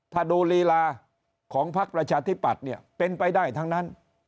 ถ้าดูลีลาของพักประชาธิปัตย์เนี่ยเป็นไปได้ทั้งนั้น